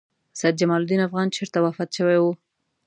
سیدجمال الدین افغان چېرته وفات شوی و؟